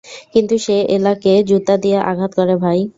কিন্তু সে এলাকে জুতো দিয়ে আঘাত করে, ভাই।